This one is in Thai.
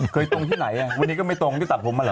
ตรงที่ไหนอ่ะวันนี้ก็ไม่ตรงที่ตัดผมมาเห